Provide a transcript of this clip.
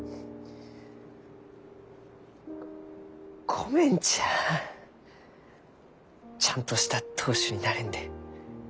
ごめんちやちゃんとした当主になれんで。